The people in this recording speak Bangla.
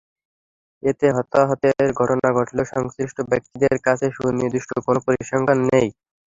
এতে হতাহতের ঘটনা ঘটলেও সংশ্লিষ্ট ব্যক্তিদের কাছে সুনির্দিষ্ট কোনো পরিসংখ্যান নেই।